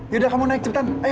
yaudah kamu naik cepetan ayo